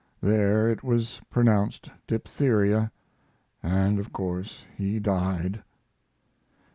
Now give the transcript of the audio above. There it was pronounced diphtheria, and of course he died."